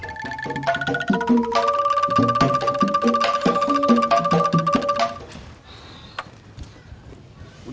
wah bener betul